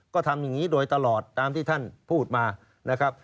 ก็ทำอย่างนี้โดยตลอดตามที่ท่านพูดมานะครับ